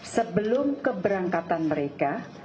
sebelum keberangkatan mereka